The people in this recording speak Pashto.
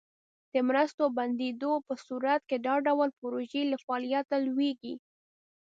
د مرستو بندیدو په صورت کې دا ډول پروژې له فعالیته لویږي.